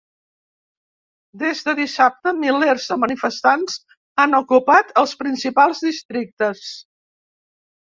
Des de dissabte, milers de manifestants han ocupat els principals districtes.